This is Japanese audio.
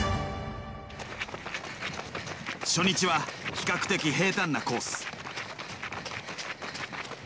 初日は比較的平たんなコース。